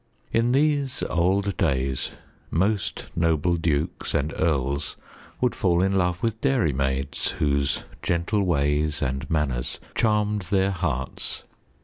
In these old days, most noble dukes and earls would fall in love with dairymaids whose gentle ways and manners charmed their hearts.